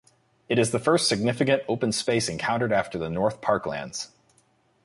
It is the first significant open space encountered after the North Parklands.